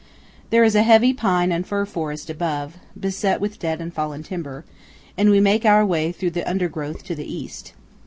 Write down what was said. There is a heavy pine and fir forest above, beset with dead and fallen timber, and we make our way through the undergrowth to the east.